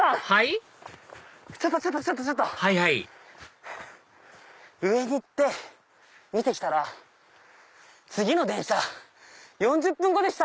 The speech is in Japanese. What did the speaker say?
はいはい上に行って見て来たら次の電車４０分後でした。